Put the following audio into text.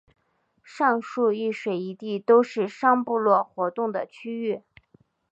上述一水一地都是商部落活动的区域。